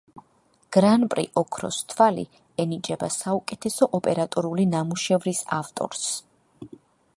გრან-პრი „ოქროს თვალი“ ენიჭება საუკეთესო ოპერატორული ნამუშევრის ავტორს.